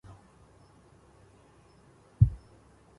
إن أخذنا الكبريت ثم خلطنا